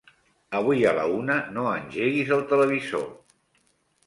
Avui a la una no engeguis el televisor.